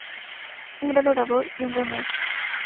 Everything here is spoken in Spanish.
Un gran orador y un gran maestro".